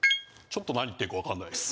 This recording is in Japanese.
ちょっと何言ってるか分かんないっす。